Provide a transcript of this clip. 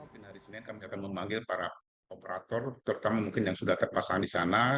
mungkin hari senin kami akan memanggil para operator terutama mungkin yang sudah terpasang di sana